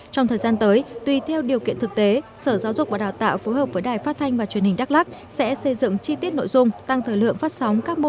trong thời gian tới tuy theo điều kiện thực tế sở giáo dục và đào tạo phối hợp với đài phát thanh